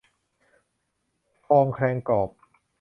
ครองแครงกรอบ